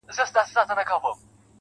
ځوان لگيا دی_